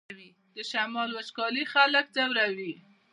د شمال وچکالي خلک ځوروي